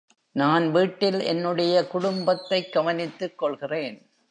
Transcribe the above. நான் வீட்டில் என்னுடைய குடும்பத்தைக் கவனித்துக்கொள்கிறேன்.